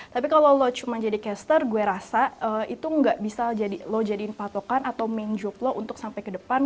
tapi kalau lo cuma jadi caster gue rasa itu gak bisa lo jadiin patokan atau main job lo untuk sampai ke depan